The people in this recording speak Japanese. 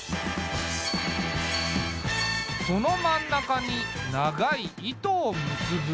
その真ん中に長い糸を結ぶ。